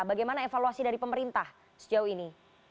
bagaimana evaluasi dari pemerintah sejauh ini